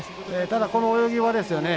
ただこの泳ぎはですね